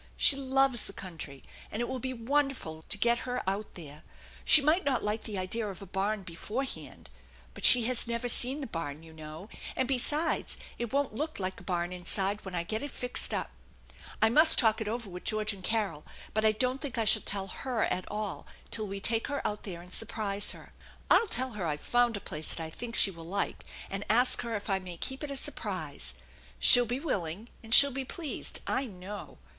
She loves the country, and it will be wonderful to her to get out there. She might not like the idea of a barn befoiehand; but she has never seen the barn, you know, and, besides, it won't look like a barn inside when I get it fixed up. I must talk it over with George and Carol, but I don't think I shall tell her at all till we take her out there and sur prise her. I'll tell her I've found a place that I think she will like, and ask her if I may keep it a surprise. She'll be willing, and she'll be pleased, I know!"